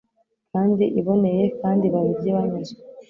kandi iboneye, kandi babirye banyuzwe